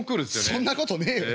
そんなことねえよ。